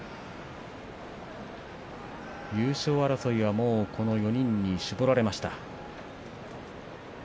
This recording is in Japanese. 優勝争いは、もうこの４人に絞られました。